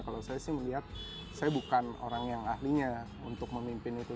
kalau saya sih melihat saya bukan orang yang ahlinya untuk memimpin itu